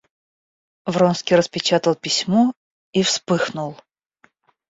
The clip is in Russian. Вронский распечатал письмо и вспыхнул.